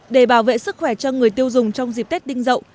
để bảo vệ sức khỏe cho người tiêu dùng trong dịp tết ninh dậu